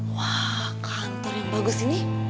wah kantor yang bagus ini